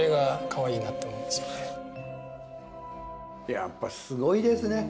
やっぱすごいですね。